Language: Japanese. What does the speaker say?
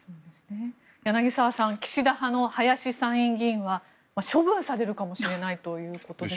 柳澤さん岸田派の林参院議員は処分されるかもしれないということですが。